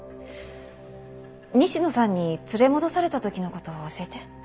西野さんに連れ戻された時の事を教えて。